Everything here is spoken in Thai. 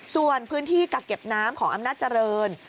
ส่วนพื้นที่กักเก็บน้ำของอำนาจเจริญ